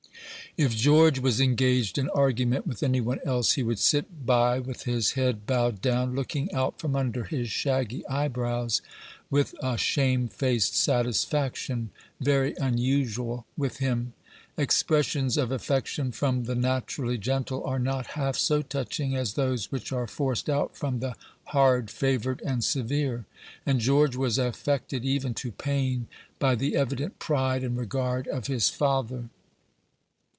If George was engaged in argument with any one else, he would sit by, with his head bowed down, looking out from under his shaggy eyebrows with a shamefaced satisfaction very unusual with him. Expressions of affection from the naturally gentle are not half so touching as those which are forced out from the hard favored and severe; and George was affected, even to pain, by the evident pride and regard of his father.